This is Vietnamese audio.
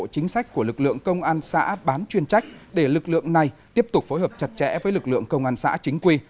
chính sách của lực lượng công an xã bán chuyên trách để lực lượng này tiếp tục phối hợp chặt chẽ với lực lượng công an xã chính quy